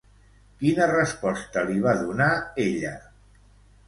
Quina resposta li va donar, ella?